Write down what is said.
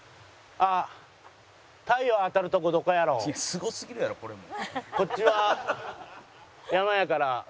「いやすごすぎるやろこれも」